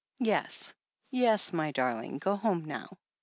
"Yes — ^yes, my darling. Go home now."